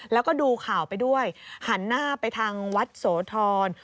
แล้วก็ดูข่าวไปด้วยหันหน้าไปทางวัดโสธร